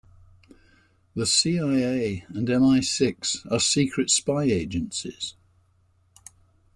The CIA and MI-Six are secret spy agencies.